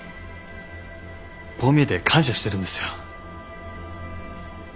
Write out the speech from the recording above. こう見えて感謝してるんですよ。